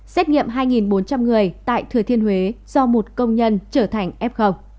xét nghiệm hai bốn trăm linh người tại thừa thiên huế do một công nhân trở thành f